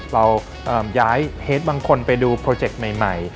เราย้ายเฮดบางคนไปดูโปรเจคใหม่